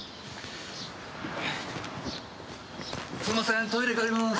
すいませんトイレ借ります！